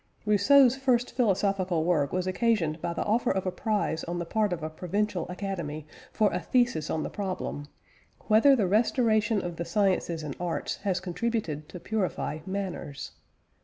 Rousseau's first philosophical work was occasioned by the offer of a prize on the part of a provincial academy for a thesis on the problem "Whether the restoration of the sciences and arts has contributed to purify manners?"